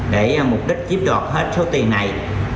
để mục đích chiếm đoạt hết số tiền này